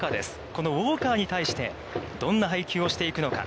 このウオーカーに対してどんな配球をしていくのか。